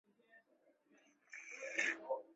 五年加号秦国贤德太夫人。